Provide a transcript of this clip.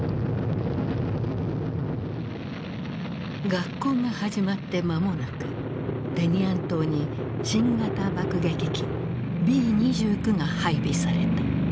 学校が始まって間もなくテニアン島に新型爆撃機Ｂ２９が配備された。